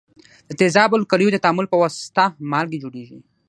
د تیزابو او القلیو د تعامل په واسطه مالګې جوړیږي.